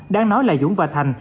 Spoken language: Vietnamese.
đang nói là dũng và thành